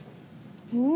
うん！